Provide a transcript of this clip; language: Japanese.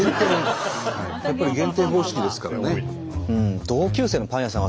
やっぱり減点方式ですからね。